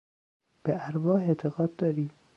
به ارواح اعتقاد داری؟